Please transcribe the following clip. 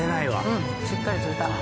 うんしっかりついた。